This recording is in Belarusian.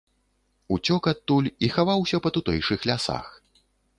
Уцёк адтуль і хаваўся па тутэйшых лясах.